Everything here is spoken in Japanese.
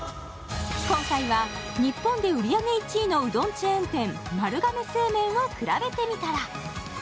今回は、日本で売り上げ１位のうどんチェーン店、丸亀製麺をくらべてみたら。